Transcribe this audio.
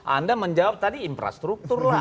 anda menjawab tadi infrastruktur lah